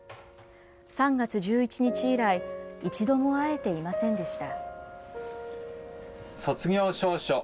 ３月１１日以来、一度も会えていませんでした。